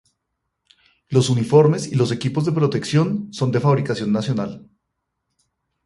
Los uniformes y los equipos de protección, son de fabricación nacional.